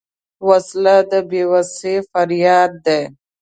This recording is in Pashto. وسله د بېوسۍ فریاد دی